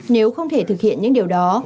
nếu không thể thực hiện những điều đó